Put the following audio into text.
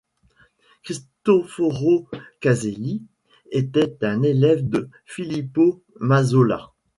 Cristoforo Caselli était un élève de Filippo Mazzola.